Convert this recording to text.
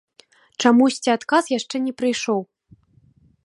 Чамусьці адказ яшчэ не прыйшоў.